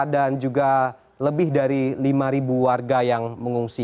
dan juga lebih dari lima ribu warga yang mengungsi